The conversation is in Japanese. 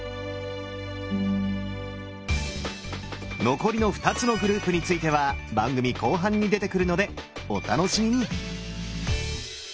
残りの２つのグループについては番組後半に出てくるのでお楽しみに！